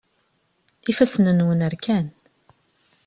Ifassen-nwen rkan.